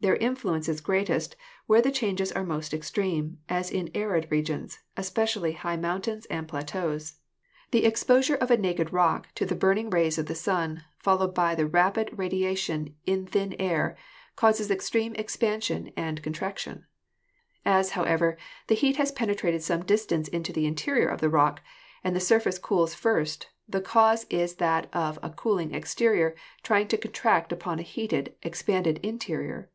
Their influence is greatest where the changes are most extreme, as in arid regions, especially high mountains and plateaus. The ex 134 GEOLOGY posure of a naked rock to the burning rays of the sun, fol lowed by the rapid radiation in thin air, causes extreme expansion and contraction. As, however, the heat has penetrated some distance into the interior of the rock and the surface cools first the cause is that of a cooling exterior trying to contract upon a heated, expanded interior.